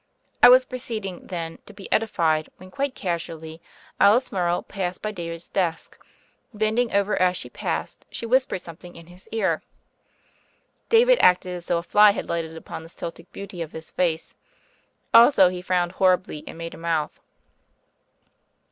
I was proceeding, then, to be edified, when, quite cas ually, Alice Morrow passed by David's desk; bending over as she passed she whispered some thing in his ear. David acted as though a fly had lighted upon the Celtic beauty of his face; also he frowned horribly and made a mouth.